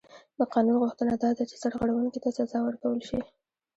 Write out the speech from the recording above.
د قانون غوښتنه دا ده چې سرغړونکي ته سزا ورکړل شي.